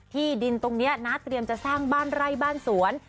ที่ดินตรงนี้น้าเตรียมจะสร้างบ้านไร่บ้านสวน